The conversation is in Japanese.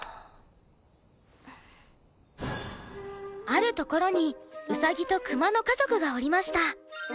あるところにウサギとクマの家族がおりました。